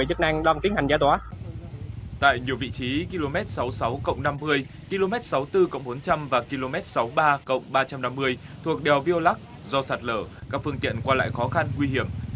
tại nhiều vị trí km sáu mươi sáu năm mươi km sáu mươi bốn bốn trăm linh và km sáu mươi ba ba trăm năm mươi thuộc đèo viêu lắc do sạt lở các phương tiện qua lại khó khăn nguy hiểm